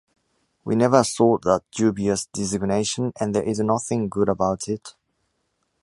We never sought that dubious designation, and there is nothing good about it.